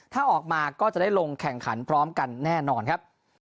ถ้าออกมาก็จะได้ลงแข่งขันพร้อมกันแน่นอนครับ